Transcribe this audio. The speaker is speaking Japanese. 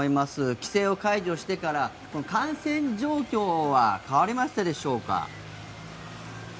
規制を解除してから感染状況は変わりましたでしょうか。